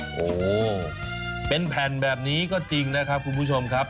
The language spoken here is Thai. โอ้โหเป็นแผ่นแบบนี้ก็จริงนะครับคุณผู้ชมครับ